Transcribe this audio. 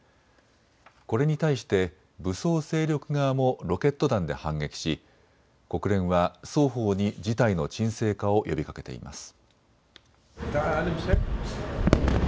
これに対して武装勢力側もロケット弾で反撃し国連は双方に事態の鎮静化を呼びかけています。